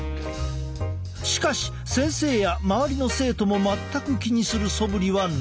しかし先生や周りの生徒も全く気にするそぶりはない。